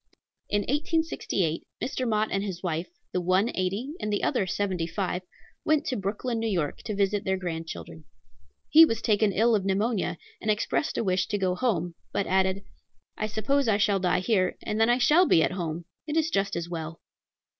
In 1868, Mr. Mott and his wife, the one eighty, and the other seventy five, went to Brooklyn, N.Y., to visit their grandchildren. He was taken ill of pneumonia, and expressed a wish to go home, but added, "I suppose I shall die here, and then I shall be at home; it is just as well."